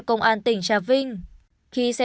công an tỉnh trà vinh khi xe